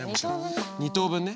２等分ね。